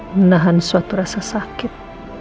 menahan suatu rasa sakit